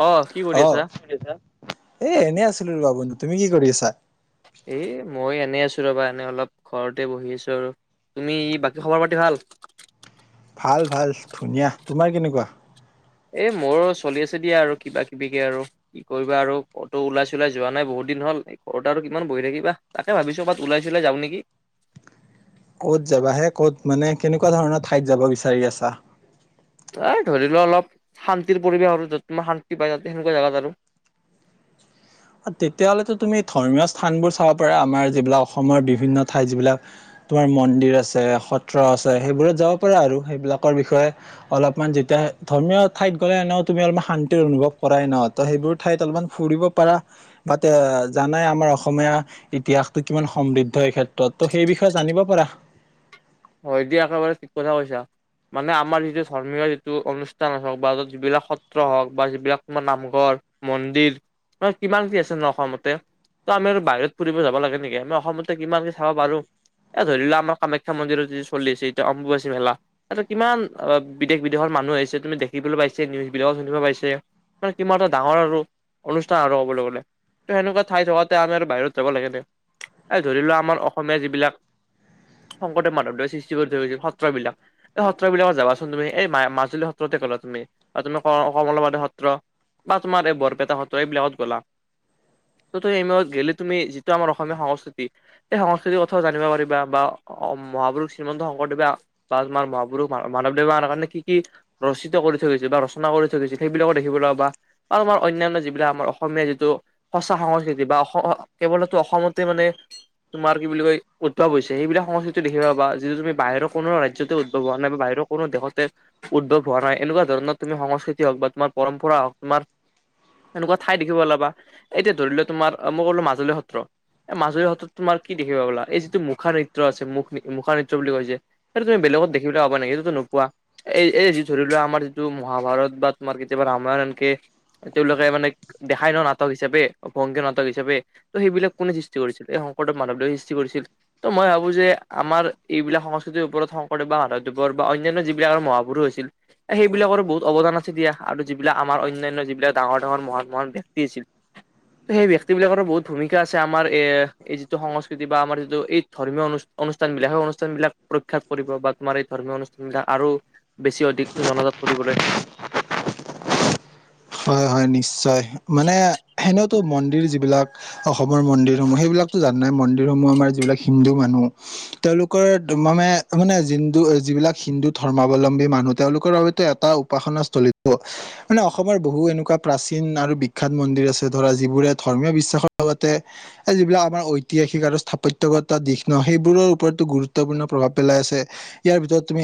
অ কি কৰি অ আছা? কি কৰিছা এ এনে আছিলো ৰবা বন্ধু তুমি কি কৰি আছা এ মই এনে আছো ৰবা এনে অলপ ঘৰতে বহি আছো আৰু তুমি বাকী খবৰ পাতি ভাল ভাল ভাল ধুনীয়া তোমাৰ কেনেকুৱা এ মোৰো চলি আছে দিয়া আৰু কিবা কিবিকে আৰু কি কৰিবা আৰু কতো ওলাই চোলাই যোৱা নাই বহুত দিন হ'ল এই ঘৰত আৰু কিমান বহি থাকিবা তাকে ভাবিছো কবাত ওলাই চোলাই যাওঁ নেকি ক'ত যাবা হে ক'ত মানে কেনেকুৱা ধৰণৰ ঠাইত যাব বিচাৰি আছা এ ধৰি লোৱা অলপ শান্তিৰ পৰিৱেশ আৰু যত তোমাৰ শান্তি পাই তাতে সেনেকুৱা জেগাত আৰু তেতিয়াহ'লেতো তুমি ধৰ্মীয় স্থানবোৰ চাব পাৰা আমাৰ যিবিলাক অসমৰ বিভিন্ন ঠাইত যিবিলাক তোমাৰ মন্দিৰ আছে সত্ৰ আছে সেইবোৰত যাব পাৰা আৰু সেইবিলাকৰ বিষয়ে অলপমান যেতিয়া ধৰ্মীয় ঠাইত গ'লেনে তুমি অলপমান শান্তিৰ অনুভৱ কৰাই নহ ত সেইবোৰ ঠাইত অলপমান ফুৰিব পাৰা বা জানাই আমাৰ অসমীয়া ইতিহাসটো কিমান সমৃদ্ধ এই ক্ষেত্ৰত ত' সেই বিষয়ে জানিব পাৰা হয় দিয়া একেবাৰে ঠিক কথা কৈছা মানে আমাৰ যিটো ধৰ্মীয় যিটো অনুষ্ঠান হওক বা ত যিবিলাক সত্ৰ হওক বা যিবিলাক তোমাৰ নামঘৰ মন্দিৰ কিমান কি আছে ন অসমতে ত আমি আৰু বাহিৰত ফুৰিব যাব লাগে নেকি আমি অসমতে কিমান কি চাব পাৰো এ ধৰি লোৱা আমাৰ কামাখ্যা মন্দিৰত চলিছে এতিয়া অম্বুবাচী মেলা তা কিমান বিদেশ বিদেশৰ মানুহ আহিছে তুমি দেখিবলৈ পাইছে নিউজ বিলাকো শুনিব পাইছে ত কিমান এটা ডাঙৰ আৰু অনুষ্ঠান আৰু কবলৈ গলে ত সেনেকুৱা ঠাই থকাতে আমি আৰু বাহিৰত যাব লাগে নে ধৰি লোৱা আমাৰ অসমীয়া যিবিলাক শংকৰদেৱ মাধৱ সৃষ্টি কৰি থৈ গৈছে সত্ৰ বিলাক এই সত্ৰবিলাকত যাবাচোন তুমি এই মাজুলী সত্ৰতে গ'লা তুমি বা তুমি কমলাবাৰী সত্ৰ বা তোমাৰ এই বৰপেটা সত্ৰ এইবিলাকত গলা তু গলে তুমি যিটো আমাৰ অসমীয়া সংস্কৃতি সেই সংস্কৃতিৰ কথাও জানিব পাৰিবা বা মহাপুৰুষ শ্ৰীমন্ত শংকৰদেৱে বা মহাপুৰুষ মাধৱদেৱানৰ কাৰণে কি কি ৰচিত কৰি থৈ গৈছে বা ৰচনা কৰি থাকিছিল সেইবিলাকক দেখিবলৈ পাবা বা তোমাৰ অনান্য যিবিলাক আমাৰ অসমীয়া যিটো সঁচা সংস্কৃতি বা অসম কেৱলতো অসমতে মানে তোমাৰ কি বুলি কয় উদ্ভৱ হৈছে সেইবিলাক সংস্কৃতি দেখিবলৈ পাবা যিটো তুমি বাহিৰৰ কোনো ৰাজ্যতে উদ্ভৱ হোৱা নাই বা বাহিৰৰ কোনো দেশতে উদ্ভৱ হোৱা নাই এনেকুৱা ধৰণৰ তুমি সংস্কৃতি হওক বা তোমাৰ পৰম্পৰা হওক তোমাৰ এনেকুৱা ঠাই দেখিব পাবা এতিয়া ধৰি লোৱা তোমাৰ মই ক'লো মাজুলী সত্ৰ এই মাজুলী সত্ৰত তোমাৰ কি দেখিবা পলা এই যিটো মুখা নৃত্য আছে মুখ মুখা নি বুলি কৈছে তুমি বেলেগত দেখিবলৈ পাবা নেকি সেইটোতটো নোপোৱা এই এই যি ধৰি লোৱা আমাৰ যিটো মহাভাৰত বা তোমাৰ কেতিয়াবা ৰামায়ণ কে তেওঁলোকে মানে দেখাই ন নাটক হিচাপে অ ভংগী নাটক হিচাপে ত সেইবিলাক কোনে সৃষ্টি কৰিছিল এই শংকৰদেৱ মাধৱ দেৱে সৃষ্টি কৰিছিল ত মই ভাবো যে আমাৰ এইবিলাক সংস্কৃতিৰ ওপৰত শংকৰদেৱ বা মাধৱদেৱৰ বা অন্যান্য যিবিলাক আৰু মহাপুৰুষ আছিল সেইবিলাকৰো বহুত অৱদান আছে দিয়া আৰু যিবিলাক আমাৰ অনান্য যিবিলাক ডাঙৰ ডাঙৰ মহান মহান ব্যক্তি আছিল সেই ব্যক্তি বিলাকৰো বহুত ভূমিকা আছে আমাৰ এ এই যিটো সংস্কৃতি বা আমাৰ যিটো এই ধৰ্মীয় অনু অনুষ্ঠান বিলাক অনুষ্ঠান বিলাক প্ৰখ্যাত কৰিব বা তোমাৰ এই ধৰ্মীয় অনুষ্ঠান বিলাক আৰু বেছি অধিক জনজাত কৰিবলৈ হয় হয় নিশ্চয় মানে সেনেওতো মন্দিৰ যিবিলাক অসমৰ মন্দিৰ সমূহ সেইবিলাকতো জান নাই মন্দিৰ সমূহ আমাৰ যিবিলাক হিন্দু মানুহ তেওঁলোকৰ মানে মানে জিন্দু যিবিলাক হিন্দু ধৰ্মাৱলম্বী মানুহ তেওঁলোকৰ বাবেতো এটা উপাসনা স্থলিত ত মানে অসমৰ বহু এনেকুৱা প্ৰাচীন আৰু বিখ্যাত মন্দিৰ আছে ধৰা যিবোৰে ধৰ্মীয় বিশ্বাসৰ লগতে এই যিবিলাক আমাৰ ঐতিহাসিক আৰু স্থাপত্যগত দিশ ন সেইবোৰৰ ওপৰতো গুৰুত্বপূৰ্ণ প্ৰভাৱ পেলাই আছে ইয়াৰ ভিতৰত তুমি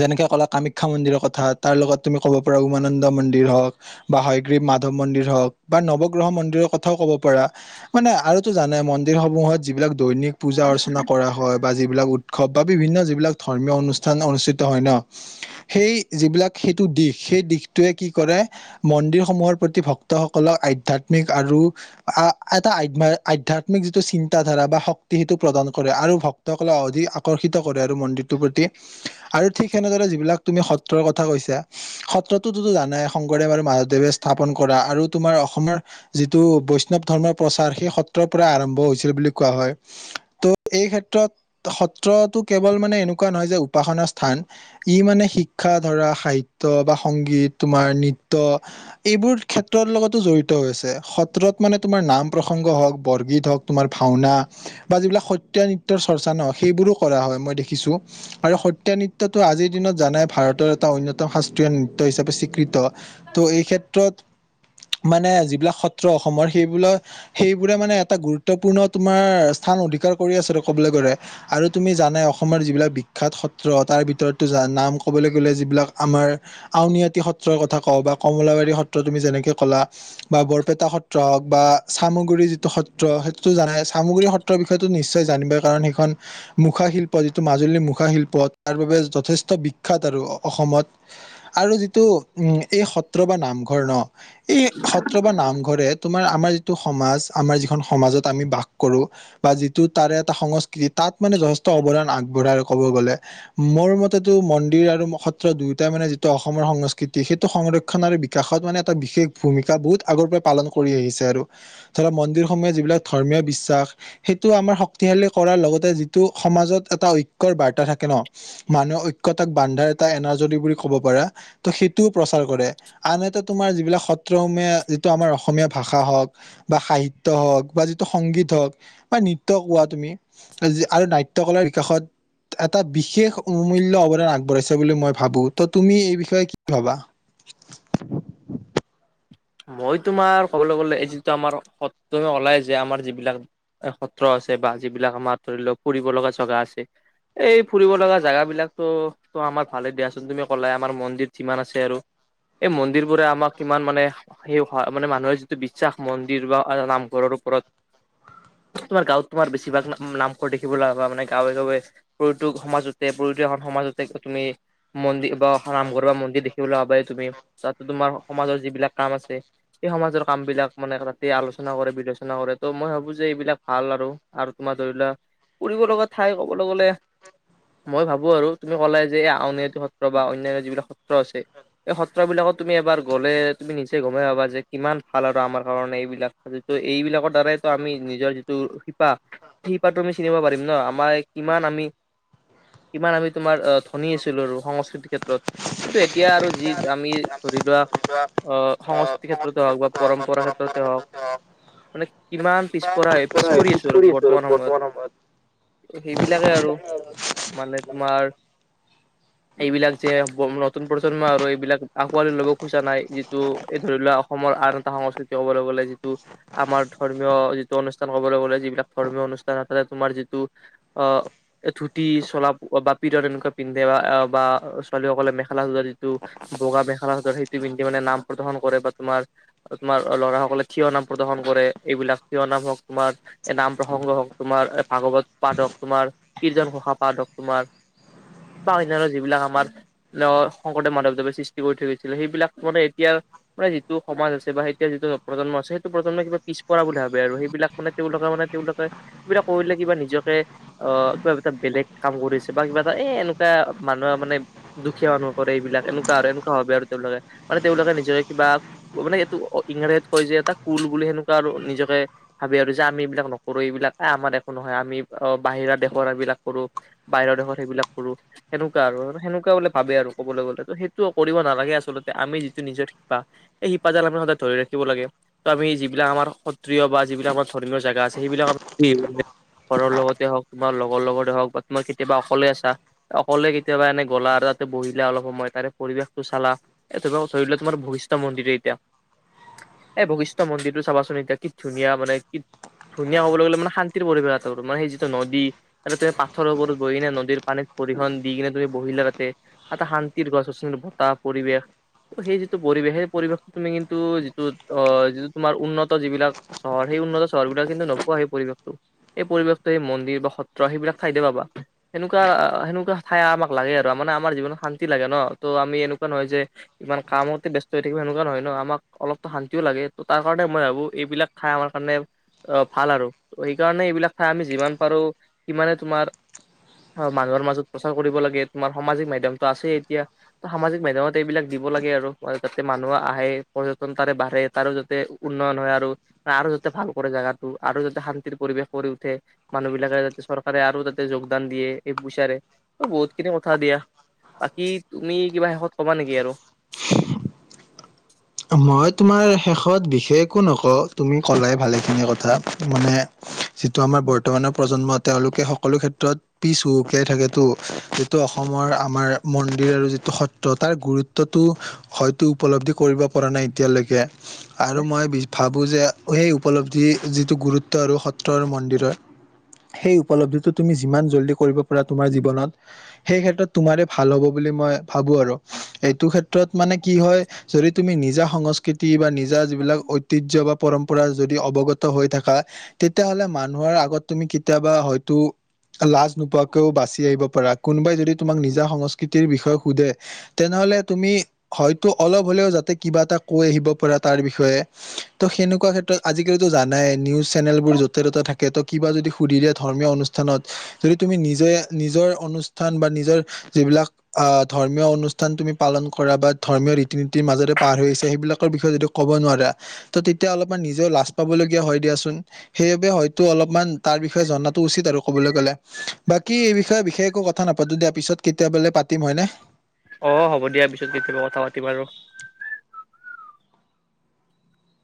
যেনেকে ক'লা কামাখ্যা মন্দিৰৰ কথা তাৰ লগত তুমি ক'ব পাৰা উমানন্দ মন্দিৰ হওক বা হয়গ্ৰীৱ মাধৱ মন্দিৰ হওক বা নৱগ্ৰহ মন্দিৰৰ কথাও ক'ব পাৰ মানে আৰুটো জানে মন্দিৰ সমূহত যিবিলাক দৈনিক পূজা অৰ্চনা কৰা হয় বা যিবিলাক উৎসৱ বা বিভিন্ন যিবিলাক ধৰ্মীয় অনুষ্ঠান অনুষ্ঠিত হয় ন সেই যিবিলাক সেইটো দিশ সেই দিশ টোৱে কি কৰে মন্দিৰ সমূহৰ প্ৰতি ভক্তসকলক আধ্যয়াত্মিক আৰু এটা আধ্যা আধ্যয়াত্মিক যিটো চিন্তাধাৰা বা শক্তি সেইটো প্ৰদান কৰে আৰু ভক্তসকলে অধিক আকৰ্ষিত কৰে আৰু মন্দিৰটোৰ প্ৰতি আৰু ঠিক সেনেদৰে যিবিলাক তুমি সত্ৰৰ কথা কৈছা সত্ৰত তুটো জানাই শংকৰদেৱ আৰু মাধৱদেৱে স্থাপন কৰা আৰু তোমাৰ অসমৰ যিটো বৈষ্ণৱ ধৰ্মৰ প্ৰচাৰ সেই সত্ৰৰ পৰা আৰম্ভ হৈছিল বুলি কোৱা হয় ত' এই ক্ষেত্ৰত সত্ৰতটো কেৱল মানে এনেকুৱা নহয় যে উপাসনা স্থান ই মানে শিক্ষা ধৰা সাহিত্য বা সংগীত তোমাৰ নৃত্য এইবোৰ ক্ষেত্ৰৰ লগতো জড়িত আছে সত্ৰত মানে তোমাৰ নাম প্ৰসংগ হওক বৰগীত হওক তোমাৰ ভাওনা বা যিবিলাক সত্ৰীয়া নৃত্যৰ চৰ্চা নহওক সেইবোৰো কৰা হয় মই দেখিছোঁ আৰু সত্ৰীয়া নৃত্যটো আজিৰ দিনত জানাই ভাৰতৰ এটা অন্যতম শাস্ত্ৰীয় নৃত্য হিচাপে স্বীকৃত ত' এই ক্ষেত্ৰত মানে যিবিলাক সত্ৰ অসমৰ সেইবিলাক সেইবোৰে মানে এটা গুৰুত্বপূৰ্ণ তোমাৰ স্থান অধিকাৰ কৰি আছ কবলৈ গ'লে আৰু তুমি জানে অসমৰ যিবিলাক বিখ্য্াত সত্ৰ তাৰ ভিতৰতো নাম কবলৈ গলে যিবিলাক আমাৰ [unintelligible] আউনআটি সত্ৰৰ কথা কওঁ বা কমলাবাৰী সত্ৰ তুমি যেনেকে ক'লা বা বৰপেটা সত্ৰ হওঁক বা চামগুৰি যিটো সত্ৰ সেইটোতো জানাই চামুগুৰি সত্ৰৰ বিষয়েো নিশ্চয় জানিব কাৰণ সেইখন মুখাশিল্প যিটো মাজুলীৰ মুখাশিল্প তাৰ বাবে যথেষ্ট বি আৰু অসমত আৰু যিটো উম এই সত্ৰ বা নামঘৰ ন এই সত্ৰ বা নামঘৰে তোমাৰ আমাৰ যিটো সমাজ আমাৰ যিখন সমাজত আমি বাস কৰো বা যিটো তাৰে এটা সংস্কৃতি তাত মানে যথেষ্ট অৱদান আগবঢ়ায় ক'ব গ'লে মোৰ মতেতো মন্দিৰ আৰু সত্ৰ দুয়োটাই মানে অসমৰ সংস্কৃতি সেইটো সংৰক্ষণ আৰু বিকাশত মানে এটা বিশেষ ভূমিকা বহুত আগৰ পৰাই পালন কৰি আহিছে আৰু ধৰ মন্দিৰসমূহে যিবিলাক ধৰ্মীয় বিশ্বাস সেইটো আমাৰ শক্তিশালী কৰাৰ লগতে যিটো সমাজত এটা ঐক্ৰ বাৰ্তা থাকে ন মানুহে ঐক্যক বান্ধাৰ এটা এনাজৰী যদি বুলি ক'ব পাৰা ত সেইটোও প্ৰচাৰ কৰে আন এটা তোমাৰ যিবিলাক সত্ৰসমীয়া যিটো আমাৰ অসমীয়া ভাষা হওঁক বা সাহিত্য় হওঁক বা যিটো সংগীত হওঁক বা নৃত্য় কোৱা তুমি আৰু নাট্য় কাৰ বিকাশত এটা বিশেষ অমূল্য অৱদান আগবঢ়াইছে বুলি মই ভাবো ত তুমি এই বিষয়ে কি ভাবা মই তোমাৰ কবলৈ গলে এই যিটো আমাৰ সত্ৰ তুমি ওলাই যে আমাৰ যিবিলাক সত্ৰ আছে বা যিবিলাক আমাৰ ধৰি লও ফুৰিব লগা জগা আছে । এই ফুৰিব লগা জাগাবিলাকতো ত আমাৰ ভালে দিয়াচোন তুমি ক'লাই আমাৰ মন্দিৰ কিমান আছে আৰু এই মন্দিৰ বোৰে আমাক কিমান মানে সেই হয় মানে মানুহে যিটো বিশ্বাস মন্দিৰ বা নামঘৰৰ ওপৰত তোমাৰ গাঁৱত তোমাৰ বেছিভাগ নাম নামঘৰ দেখিবলৈ হাবা মানে গাঁৱে গ প্ৰতিটো সমাজতে প্ৰতি এখন সমাজতে তুমি মন্দিৰ বা নামঘৰ বা মন্দিৰ দেখিবলৈ হব তুমি তাত তোমাৰ সমাজৰ যিবিলাক কাম আছে সেই সমাজৰ কাম বিলাক মানে তাতে আলোচনা কৰে বিলোচনা কৰে ত মই ভাবো যে এইবিলাক ভাল আৰু আৰু তোমাৰ ধৰি লোৱা ফুৰিব লগা ঠাই কবলৈ গলে মই ভাবো আৰু তুমি ক'লে যে এই আন সত্ৰ বা অনয়ানয় যিবিলাক সত্ৰ আছে এই সত্ৰ বিলাকত তুমি এবাৰ গলে তুমি নিজে গমেই পাবা যে কিমান ভাল আৰু আমাৰ কাৰণে এইবিলাক যিটো এইবিলাকৰ দ্বাৰাইতো আমি নিজৰ যিটো শিপা সেই শিপাটো আমি চিনিব পাৰিম ন আমাৰ কিমান আমি কিমান আমি তোমাৰ ধনী আছিলো আৰু সংস্কৃতিৰ ক্ষেত্ৰত এইটো এতিয়া আৰু যি আমি কৰি লোৱা অ সংস্কৃতি ক্ষেত্ৰতে হওক বা পৰম্পৰা ক্ষেত্ৰতে হওক মানে কিমান পিছপৰা হয় পিছ কৰি আছো আৰু বৰ্তমান সময়ত সেইবিলাকে আৰু মানে তোমাৰ এইবিলাক যে নতুন প্ৰজন্ম আৰু এইবিলাক আঁকোৱালি ল'ব খোজা নাই যিটো এই ধৰি লোৱা অসমৰ আন এটা সংস্কৃতি ক'বলৈ গলে যিটো আমাৰ ধৰ্মীয় যিটো অনুষ্ঠান কবলৈ গলে যিবিলাক ধৰ্মীয় অনুষ্ঠান ততে তোমাৰ যিটো অ ধুতি চলা বা প এনেকুৱা পিন্ধে বা বা ছোৱালীসকলে মেখেলা চাদৰ যিটো বগা মেখেলা চাদৰ সেইটো পিন্ধে মানে নাম প্ৰদৰ্শন কৰে বা তোমাৰ তোমাৰ ল'ৰা সকলে থিয় নাম প্ৰদৰ্শন কৰে এইবিলাক থিয় নাম হওক তোমাৰ নাম প্ৰসংগ হওক তোমাৰ ভাগৱত পাঠ হওক তোমাৰ কীৰজন ঘোষা পাঠ হওক তোমাৰ বা অনান্য যিবিলাক আমাৰ শংকৰদেৱ মাধৱদেৱে সৃষ্টি কৰি থৈ গৈছিলে সেইবিলাক মানে এতিয়া মানে যিটো সমাজ আছে বা এতিয়া যিটো প্ৰজন্ম আছে সেইটো প্ৰজন্মই কিবা পিছপৰা বুলি ভাবে আৰু সেইবিলাক মানে তেওঁলোকে মানে তেওঁলোকে এইবিলাক কৰিলে কিবা নিজকে অ কিবা এটা বেলেগ কাম কৰিছে বা কিবা এটা এ এনেকুৱা মানুহৰ মানে দুখীয়া মানুহ কৰে এইবিলাক এনেকুৱা আৰু এনেকুৱা আৰু তেওঁলোকে মানে তেওঁলোকে নিজকে কিবা মানে এইটো ইংৰাজীত কয় যে এটা কুল বুলি সেনেুৱা আৰু নিজকে ভাবে আৰু যে আমি এইবিলাক নকৰো এইবিলাক আমাৰ দেশো নহয় আমি বাহিৰা দেশৰ সেইবিলাক কৰো বাহিৰৰ দেশৰ সেইবিলাক কৰো সেনেকুৱা আৰু সেনেুৱা বোলে ভাবে আৰু ক'বলৈ গ'লে সেইটো কৰিব নালাগে আচলতে আমি যিটো নিজৰ শিপা এইেই শিপা জাল আমি সদায় ধৰি ৰাখিব লাগে। ত' আমি যিবিলাক আমাৰ সত্ৰিয় বা যিবিলাক আমাৰ ধৰ্মীয় জেগা আছে সেইবিলাক আ ল ঘৰৰ লগতে হওক তোমাৰ লগৰ লগতে হওক বা তোমাৰ কেতিয়াবা অকলে আছা অকলে কেতিয়াবা এনে গ'লা আৰু তাতে বহিলা অলপ সময় তাৰে পৰিৱেশটো চালা এই তুম ধৰিল তোমাৰ ভশিষ্ঠ মন্দিৰ এতিয়া এই ভশিষ্ঠ মন্দিৰটো চাবাচোন এতিয়া কি ধুনীয়া মানে কি ধুনীয়া হ'বলৈ গ'লে মানে শান্তিৰ পৰিৱেশ এটা মানে সেই যিটো নদী তুমি পাঠৰ ওপৰত বহ কিনে নদীৰ পানীত পৰিহন দি কিনে তুমি বহিলা তাতে এটা শান্তিৰ গছ গছিৰ বতাহ পৰিৱেশ সেই যিটো পৰিৱেশ সেই পৰিৱেশটো তুমি কিন্তু যিটো আহ যিটো তোমাৰ উন্নত যিবিলাক চহৰ সেই উন্নত চহৰ বিলাক কিন্তু নোপোৱা সেই পৰিৱেশটো সেই পৰিৱেশটো সেই মন্দিৰ বা সত্ৰ সেইবিলাক ঠাই দিয় পাবা সেনেুৱা সেনেকুৱা ঠাই আমাক লাগে আৰু মানে আমাৰ জীৱনত শান্তি লাগে ন ত' আমি এনেকুৱা নহয় যে ইমান কামতে ব্স্ত হৈ থাকিব সেনেকুৱা নহয় ন আমাক অলপো শান্তিও লাগে ত তাৰ কাৰণে মই ভাবো এইবিলাক খাই আমাৰ কাৰণে আহ ভাল আৰু ত সেইকাৰণে এইবিলাক খাই আমি যিমান পাৰো সিমানে তোমাৰ মানুহৰ মাজত প্ৰচাৰ কৰিব লাগে তোমাৰ সামাজিক মাধ্যমতটো আছে এতিয়া ত সামাজিক মাধ্যমত া এইবিলাক দিব লাগে আৰু যাতে মানুহ আহে পৰ্যটন তাৰে বাঢ়ে তাৰো যাতে উন্নয়ন হয় আৰু আৰু যাতে ভাল কৰে জোগাটো আৰু যাতে শান্তিৰ পৰিৱেশ কৰি উঠে মানুহ বিলাকে যাতে চৰকাৰে আৰু যাতে যোগদান দিয়ে এই বিচাৰে বহুত খিনি কথা দিয়া বাকি তুমি কিবা শেষত কবা নেকি আৰু মই তোমাৰ শেষত বিশেষ একো নকওঁ তুমি কলাই ভালেখিনি কথা মানে যিটো আমাৰ বৰ্তমানৰ প্ৰজন্মত তেওঁলোকে সকলো ক্ষেত্ৰত পিছ উুকিয়াই থাকেতো যিটো অসমৰ আমাৰ মন্দিৰ আৰু যিটো সত্ৰ তাৰ গুৰুত্বটো হয়তো উপলব্ধি কৰিব কৰা নাই এতিয়ালৈকে আৰু নে মই ভাবোঁ যে সেই উপলব্ধি যিটো গুৰুত্ব আৰু সত্ৰ আৰু মন্দিৰৰ সেই উপলব্ধিটো তুমি যিমান জল্দি কৰিব পাৰা তোমাৰ জীৱনত সেই ক্ষেত্ৰত তোমাৰে ভাল হ'ব বুলি মই ভাবো আৰু এইটো ক্ষেত্ৰত মানে কি হয় তুমি নিজা সংস্কৃতি বা নিজ যিবিলাক ঐতিহ্য বা পৰম্পৰা যদি অৱগত হৈ থাকা। তেতিয়াহ'লে মানুহৰ আগত তুমি কেতিয়াবা হয়তো লাজ নোপোৱাকেও বাচি আহিব পাৰা ।কোনোবাই যদি তোমাক নিজা সংস্কৃতিৰ বিষয়ে সোধে তেনেহ'লে তুমি হয়তো অলপ হলেও যা কিবা এটা কৈ আহিব পৰা তাৰ বিষয়ে ত'। সেনেকুৱা ক্ষেত্ৰত আজিকালিতটো জানাই নিউজ চেনেলবোৰ য'তে ত'তে থাকে ।ত কিবা যদি সুধি দিয়ে ধৰ্মীয় অনুষ্ঠানত। যদি তুমি নিজে নিজৰ অনুষ্ঠান বা নিজৰ যিবিলাক আহ ধৰ্মীয় অনুষ্ঠান তুমি পালন কৰা বা ধৰ্মীয় ৰীতি নীতিৰ মাজতে পাৰ হৈছে সেইবিলাকৰ বিষয়ে যদি ক'ব নোৱাৰা ত তেতিয়া অলপমান নিজেও লাজ পাবলগীয়া হয় দিয়াচোন ।সেইবাবে হয়তো অলপমান তাৰ বিষয়ে জনাাতো উচিত আৰু কবলৈ গলে বাকী এই বিষয়ে বিশেষ একো কথা নাপাতো দিয়া। পিছত কেতিয়াবলেপ অ হ'ব দিয়া পিছত কেতিয়াবা কথা পাতিম আৰু।